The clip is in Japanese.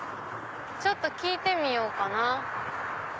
ちょっと聞いてみようかな。